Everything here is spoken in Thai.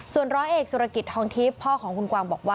ส่วนร้อยเอกสุรกิจทองทิพย์พ่อของคุณกวางบอกว่า